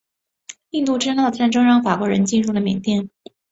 印度支那的战争让法国人进入了缅甸。